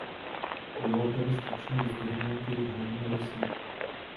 Dovolte mi stručně vyzdvihnout jejich hlavní rysy.